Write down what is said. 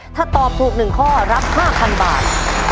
ถ้าตอบถูก๑ข้อรับ๕๐๐๐บาท